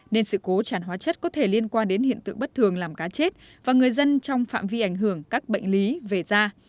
nên sự cố tràn hóa chất có thể liên quan đến hiện tượng bất thường làm cá chết và người dân trong phạm vi ảnh hưởng các bệnh lý về da